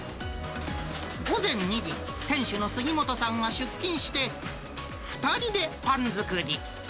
午前２時、店主の杉本さんが出勤して、２人でパン作り。